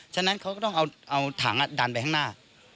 ฉะนั้นเขาก็ต้องเอาถังดันไปข้างหน้า